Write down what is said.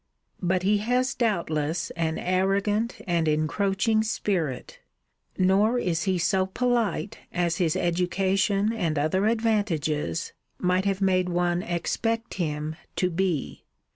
But he has doubtless an arrogant and encroaching spirit. Nor is he so polite as his education, and other advantages, might have made one expect him to be.